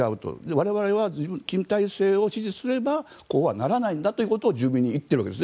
我々は金体制を支持すればこうはならないんだということを住民に言っているんです。